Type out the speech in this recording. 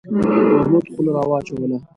محمود خوله را وچوله.